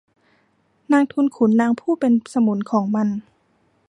นายทุนขุนนางผู้เป็นสมุนของมัน